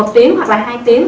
một tiếng hoặc là hai tiếng